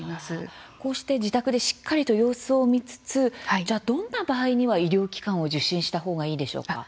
こうして自宅でしっかりと様子を見つつじゃあどんな場合には医療機関を受診したほうがいいでしょうか？